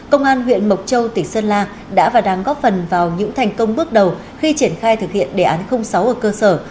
công an huyện mộc châu tỉnh sơn la đã và đang góp phần vào những thành công bước đầu khi triển khai thực hiện đề án sáu ở cơ sở